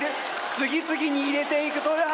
次々に入れていく豊橋！